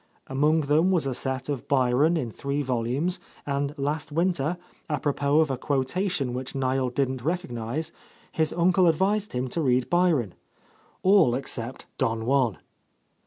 Among them was a set of Byron in three volumes, and last winter, apropos of a quotation which Niel didn't recognize, his uncle advised him to read Byron, — all except "Don Juan."